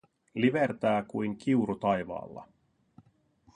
Livertää kuin kiuru taivaalla.